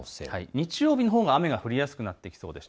日曜日のほうが雨が降りやすくなってきます。